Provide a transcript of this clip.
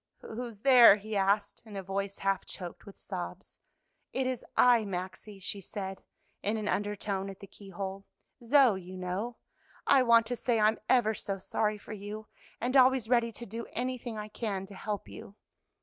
"Who's there?" he asked in a voice half choked with sobs. "It is I, Maxie," she said in an undertone at the keyhole, "Zoe, you know. I want to say I'm ever so sorry for you, and always ready to do anything I can to help you."